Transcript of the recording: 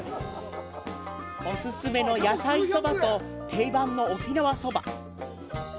お勧めの野菜そばと定番の沖縄そば。